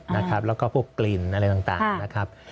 แล้วก็พวกกลิ่นอะไรต่างนะครับ